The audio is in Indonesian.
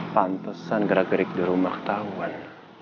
pantes mereka tawandin sama mama pergi dari rumah